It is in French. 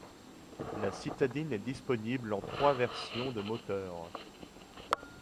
La citadine est disponible en trois versions de moteur.